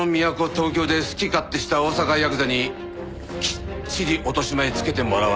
東京で好き勝手した大阪ヤクザにきっちり落とし前つけてもらわないとね。